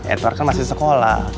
edward kan masih sekolah